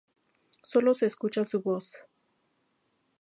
Solo se escucha su voz.